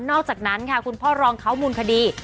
อกจากนั้นค่ะคุณพ่อรองเขามูลคดี